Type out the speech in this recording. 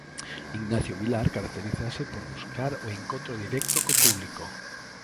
Ignacio Vilar caracterízase por buscar o encontro directo co público.